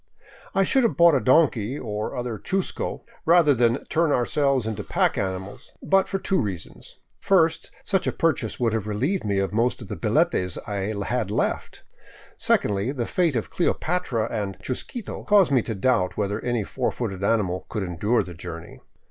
I should have bought a donkey, or another chusco, rather than turn ourselves into pack animals, but for two reasons : first, such a purchase would have relieved me of most of the billetes I had left ; secondly, the fate of " Cleopatra " and " Chus quito" caused me to doubt whether any four footed animal could endure the journey.